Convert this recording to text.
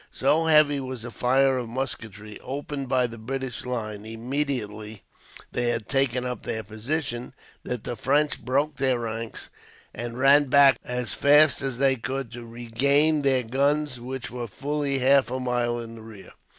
So heavy was the fire of musketry opened by the British line, immediately they had taken up their position, that the French broke their ranks, and ran back as fast as they could to regain their guns, which were fully half a mile in the rear.